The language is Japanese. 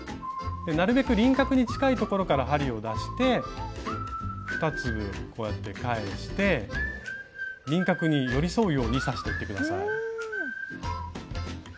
なるべく輪郭に近いところから針を出して２粒こうやって返して輪郭に寄り添うように刺していって下さい。